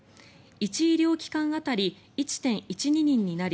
１医療機関当たり１．１２人になり